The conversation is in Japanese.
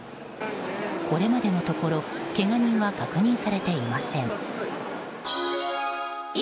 これまでのところけが人は確認されていません。